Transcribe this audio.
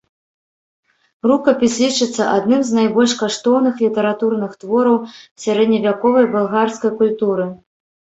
Рукапіс лічыцца адным з найбольш каштоўных літаратурных твораў сярэдневяковай балгарскай культуры.